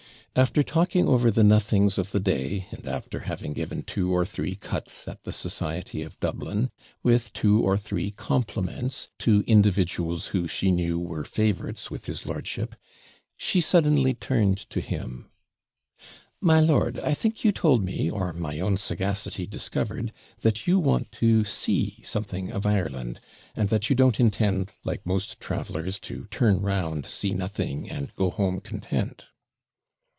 After talking over the nothings of the day, and after having given two or three CUTS at the society of Dublin, with two or three compliments to individuals, who, she knew, were favourites with his lordship, she suddenly turned to him 'My lord, I think you told me, or my own sagacity discovered, that you want to see something of Ireland, and that you don't intend, like most travellers, to turn round, see nothing, and go home content.'